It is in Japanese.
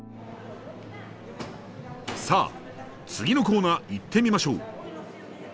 さあ次のコーナー行ってみましょう！